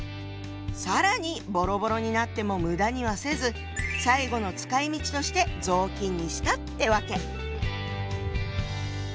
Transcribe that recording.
更にボロボロになっても無駄にはせず最後の使いみちとして雑巾にしたってわけ。